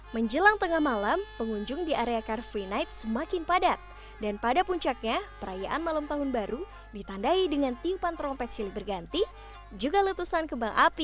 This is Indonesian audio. menjelang tengah malam pengunjung di area car free night semakin padat dan pada puncaknya perayaan malam tahun baru ditandai dengan tiupan trompet silih berganti juga letusan kebang api